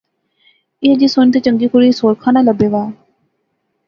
ایہہ جئی سوہنی تے چنگی کڑی اس ہور کھاناں لبے وا